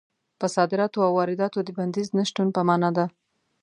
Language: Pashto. په صادراتو او وارداتو د بندیز د نه شتون په مانا ده.